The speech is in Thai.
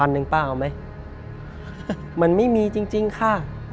๑๐๐๐หนึ่งป่าเอาไหมมันไม่มีจริงค่ะ